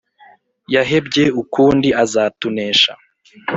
yahebye ukundi azatunesha